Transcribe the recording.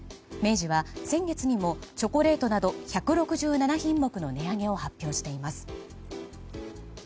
明治は先月にもチョコレートなど１６７品目の値上げを発表しています。